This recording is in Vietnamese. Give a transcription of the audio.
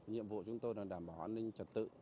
nhiệm vụ chúng tôi là đảm bảo an ninh trật tự